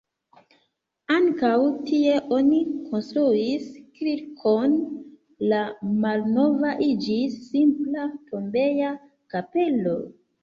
Ankaŭ tie oni konstruis kirkon, la malnova iĝis simpla tombeja kapelo.